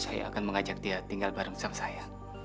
saya akan mengajak dia tinggal bareng sama saya